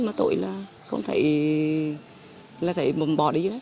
mà tội là không thể bỏ đi